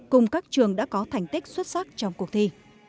cùng các trường đã có thành tích xuất sắc trong cuộc thi